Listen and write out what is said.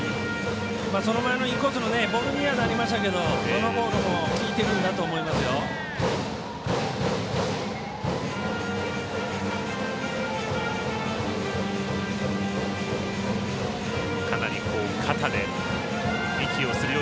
その前のインコースのボールにはなりましたけどこのボールも効いてるんだと思いますよ。